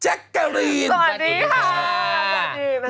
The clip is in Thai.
แจ็คเกอรีนสวัสดีค่ะสวัสดีค่ะ